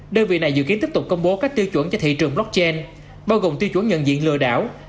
đơn vị này dự kiến tiếp tục công bố các tiêu chuẩn cho thị trường blockchain bao gồm tiêu chuẩn nhận diện lừa đảo